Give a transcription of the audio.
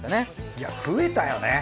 いや増えたよね。